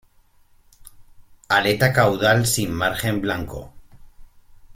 Aleta caudal sin margen blanco.